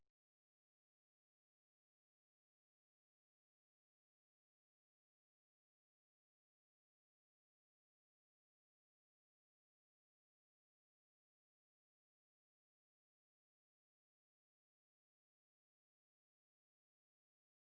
โปรดติดตามต่อไป